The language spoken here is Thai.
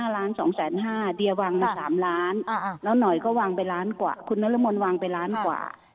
แล้วหน่อยก็วางไปล้านกว่าคุณนรมนต์วางไปล้านกว่า